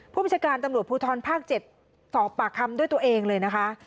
ผู้บัญชาการตำรวจภูทรภาค๗สอบปากคำด้วยตัวเองเลยนะคะ